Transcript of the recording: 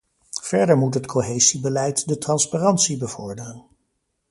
Verder moet het cohesiebeleid de transparantie bevorderen.